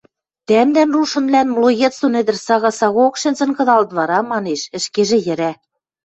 – Тӓмдӓн, рушынвлӓн, млоец дон ӹдӹр сага-сагаок шӹнзӹн кыдалыт вара? – манеш, ӹшкежӹ йӹрӓ.